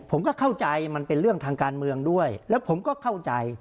ผมก็เข้าใจมันเป็นเรื่องทางการเมืองด้วยแล้วผมก็เข้าใจ